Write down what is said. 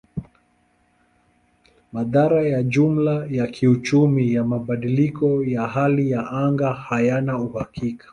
Madhara ya jumla ya kiuchumi ya mabadiliko ya hali ya anga hayana uhakika.